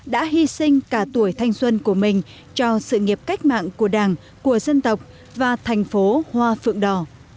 đã hy sinh cả tuổi thanh xuân của mình cho sự nghiệp cách mạng của đảng của dân tộc và thành phố hoa phượng đỏ